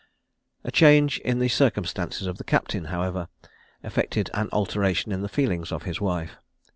A change in the circumstances of the captain, however, effected an alteration in the feelings of his wife.